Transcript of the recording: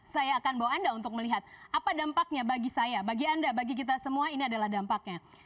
saya akan bawa anda untuk melihat apa dampaknya bagi saya bagi anda bagi kita semua ini adalah dampaknya